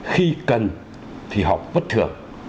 khi cần thì họp bất thường